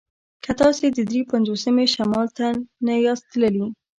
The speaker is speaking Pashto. که تاسې د دري پنځوسمې شمال ته نه یاست تللي